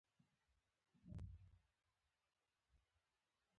او د دوي شهرت تۀ ئې سخت نقصان اورسولو